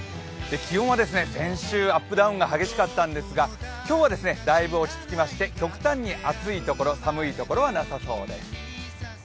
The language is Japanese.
気温は先週アップダウンが激しかったんですが、今日はだいぶ落ち着きまして、極端に暑い所、寒い所はなさそうです。